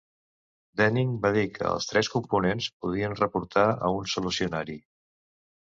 Denning va dir que els tres components podien reportar a un solucionari.